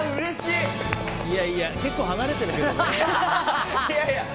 いやいや結構離れてるけどね。